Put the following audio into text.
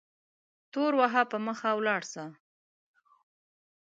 تور وهه په مخه ولاړ سه